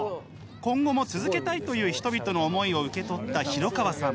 今後も続けたいという人々の思いを受け取った廣川さん。